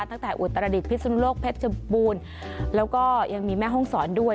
ตั้งแต่อุตรดิษฐ์พิศนโลกเพชรปูนแล้วก็ยังมีแม่ห้องสอนด้วย